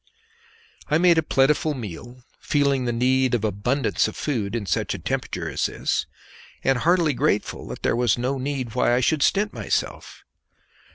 I made a plentiful meal, feeling the need of abundance of food in such a temperature as this, and heartily grateful that there was no need why I should stint myself.